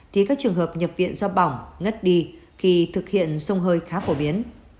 thì các trường hợp nhập viện do bỏng ngất đi khi thực hiện sông hơi khá phổ biến